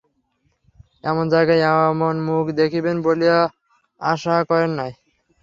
এমন জায়গায় এমন মুখ দেখিবেন বলিয়া কখনো আশা করেন নাই।